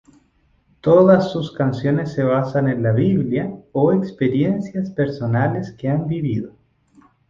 Todas sus canciones se basan en la Biblia o experiencias personales que han vivido.